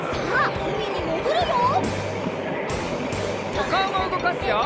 おかおもうごかすよ！